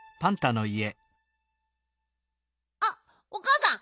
あっおかあさん